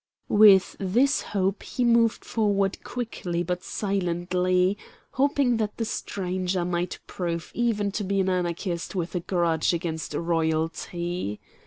With this hope he moved forward quickly but silently, hoping that the stranger might prove even to be an anarchist with a grudge against royalty.